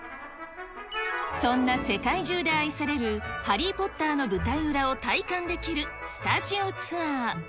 そんな世界中で愛されるハリー・ポッターの舞台裏を体感できるスタジオツアー。